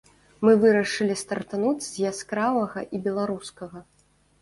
Мы вырашылі стартануць з яскравага і беларускага.